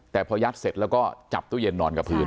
แต่พอยัดเสร็จแล้วก็จับตู้เย็นนอนกับพื้น